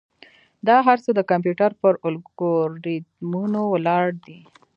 دا هر څه د کمپیوټر پر الگوریتمونو ولاړ دي.